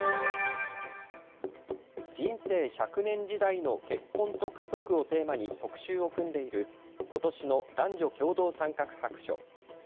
人生１００年時代の結婚と家族をテーマに特集を組んでいることしの男女共同参画白書。